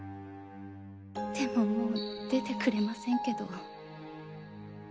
でももう出てくれませんけど。